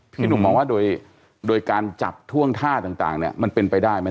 พี่หนุ่มมองว่าโดยการจับท่วงท่าต่างเนี่ยมันเป็นไปได้ไหม